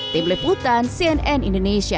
tim liputan cnn indonesia